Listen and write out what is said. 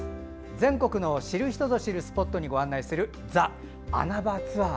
全国の知る人ぞ知るスポットにご案内する「ザ・穴場ツアー」。